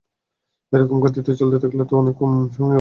এরকম গতিতে চলতে থাকলে তো অনেক কম সময়ে আমরা পৌঁছে যাব!